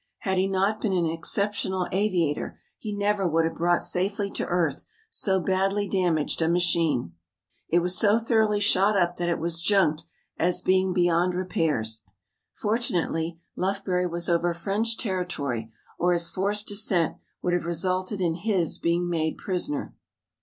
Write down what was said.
Had he not been an exceptional aviator he never would have brought safely to earth so badly damaged a machine. It was so thoroughly shot up that it was junked as being beyond repairs. Fortunately Lufbery was over French territory or his forced descent would have resulted in his being made prisoner.